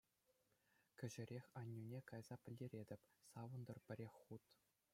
Кӗҫӗрех аннӳне кайса пӗлтеретӗп — савӑнтӑр пӗрех хут!